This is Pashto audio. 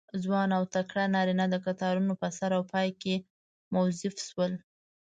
ځوان او تکړه نارینه د کتارونو په سر او پای کې موظف شول.